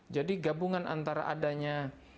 jadi gabungan antara adanya